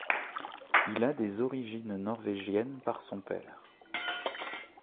Il a des origines norvégienne par son père.